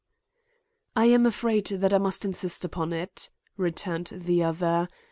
"I am afraid that I must insist upon it," returned the other.